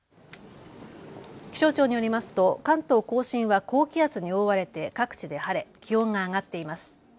気象庁によりますと関東甲信は高気圧に覆われて各地で晴れ気温が上がっています。